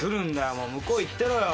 もう向こう行ってろよ。